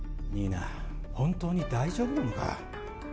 新名本当に大丈夫なのか？